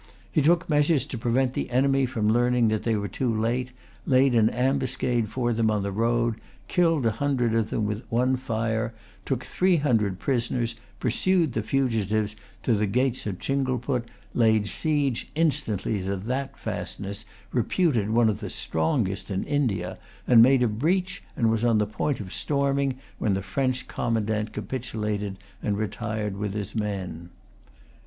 He took measures to prevent the enemy from learning that they were too late, laid an ambuscade for them on the road, killed a hundred of them with one fire, took three hundred prisoners, pursued the fugitives to the gates of Chingleput, laid siege instantly to that fastness, reputed one of the strongest in India, made a breach, and was on the point of storming, when the French commandant capitulated and retired with his men.